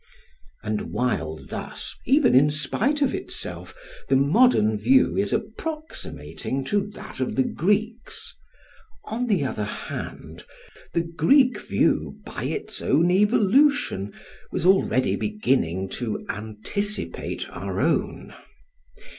And while thus, even in spite of itself, the modern view is approximating to that of the Greeks, on the other hand the Greek view by its own evolution was already beginning to anticipate our own.